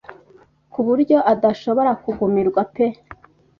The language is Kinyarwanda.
kuburyo adashobora kugumirwa pe